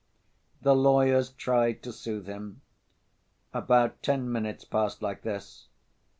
The lawyers tried to soothe him. About ten minutes passed like this.